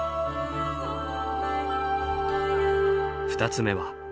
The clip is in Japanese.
２つ目は。